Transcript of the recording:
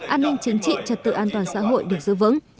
an ninh chính trị trật tự an toàn xã hội được giữ vững